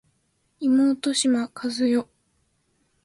妹島和世